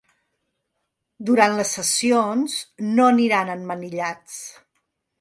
Durant les sessions no aniran emmanillats.